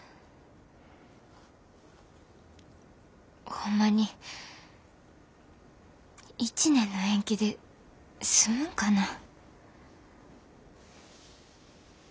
ホンマに１年の延期で済むんかなぁ。